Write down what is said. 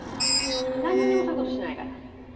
なんにもそういう事しないから。